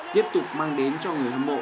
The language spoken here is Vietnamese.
tiếp tục mang đến cho người hâm mộ